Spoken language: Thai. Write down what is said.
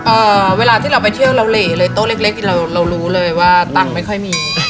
เวลาที่เราไปเที่ยวเราเหล่เลยโต๊ะเล็กเล็กนี่เราเรารู้เลยว่าตังค์ไม่ค่อยมี